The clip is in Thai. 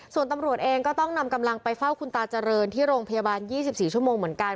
ส่วนตำรวจเองก็ต้องนำกำลังไปเฝ้าคุณตาเจริญที่โรงพยาบาล๒๔ชั่วโมงเหมือนกัน